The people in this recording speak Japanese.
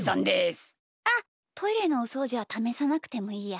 あっトイレのおそうじはためさなくてもいいや。